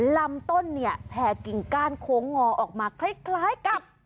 ลำต้นเนี่ยแผ่กิ่งก้านโค้งงอออกมาคล้ายกับ